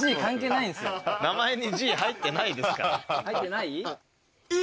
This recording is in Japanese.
名前にＧ入ってないですから。